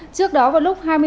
trước đó vào lúc hai mươi ba